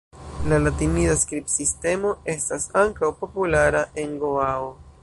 La latinida skribsistemo estas ankaŭ populara en Goao.